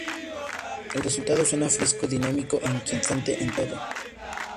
El resultado suena fresco, dinámico e inquietante en todo.